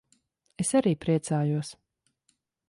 Es arī priecājos.